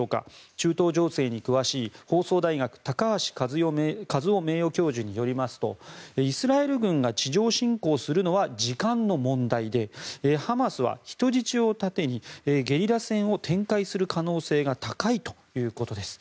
中東情勢に詳しい放送大学高橋和夫名誉教授によりますとイスラエル軍が地上侵攻するのは時間の問題でハマスは人質を盾にゲリラ戦を展開する可能性が高いということです。